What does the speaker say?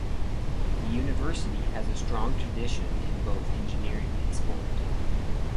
The university has a strong tradition in both engineering and sport.